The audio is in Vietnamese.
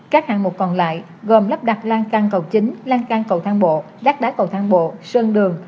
các hạng mục còn lại gồm lắp đặt lan căng cầu chính lan căng cầu thang bộ đắt đá cầu thang bộ sơn đường